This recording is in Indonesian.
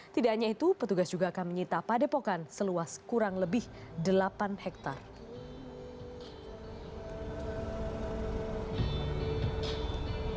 tidak hanya itu petugas juga akan menyita padepokan seluas kurang lebih delapan hektare